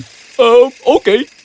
hmm oke kenapa kau harus membeli telur